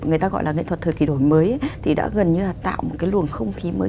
người ta gọi là nghệ thuật thời kỳ đổi mới thì đã gần như là tạo một cái luồng không khí mới